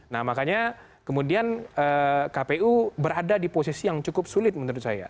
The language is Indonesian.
nah makanya kemudian kpu berada di posisi yang cukup sulit menurut saya